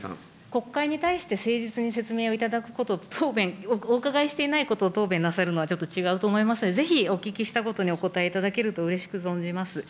国会に対して誠実にご説明いただくことと、答弁、お伺いしていないことを答弁していただくことはちょっと違うと思いますので、ぜひ、お聞きしたことにお答えいただくと、うれしく存じます。